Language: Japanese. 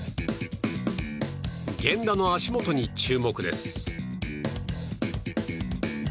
源田の足元に注目です。